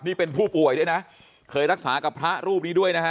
นี่เป็นผู้ป่วยด้วยนะเคยรักษากับพระรูปนี้ด้วยนะฮะ